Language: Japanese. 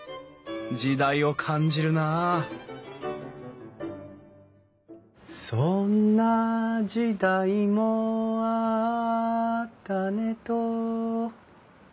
時代を感じるなあ「そんな時代もあったねと」